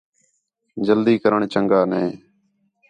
جلدی کرݨ چنڳا نے